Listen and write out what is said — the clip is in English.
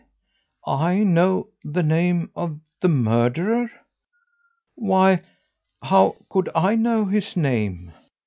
I know the name of the murderer? Why, how could I know his name?